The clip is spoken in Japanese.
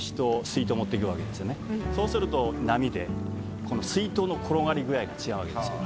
そうすると波でこの水筒の転がり具合が違うわけですよ。